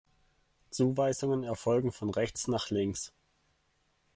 Zuweisungen erfolgen von rechts nach links.